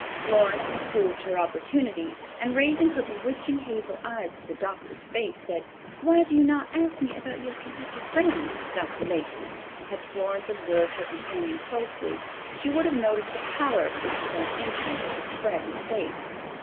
Florence improved her opportunity, and raising her bewitching hazel eyes to the doctor's face, said, "Why do you not ask me about your Kentucky friends, Dr. Lacey?" Had Florence observed her companion closely, she would have noticed the pallor which for an instant overspread his face.